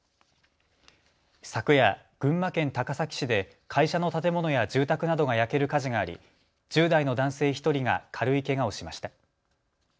昨夜、群馬県高崎市で会社の建物や住宅などが焼ける火事があり１０代の男性１人が軽いけがをしました。